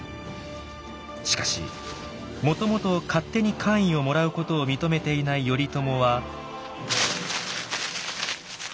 しかしもともと勝手に官位をもらうことを認めていない頼朝は。